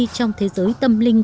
trong thế giới tâm linh